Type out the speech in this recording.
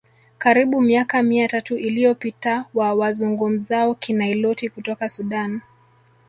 karibu miaka mia tatu iliyopita wa wazungumzao Kinailoti kutoka Sudan